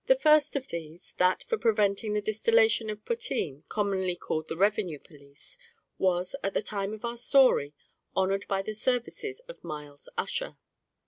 The first of these that for preventing the distillation of potheen, commonly called the revenue police was, at the time of our story, honoured by the services of Myles Ussher.